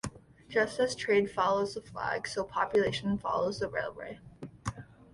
Just as trade follows the flag, so population follows the railway.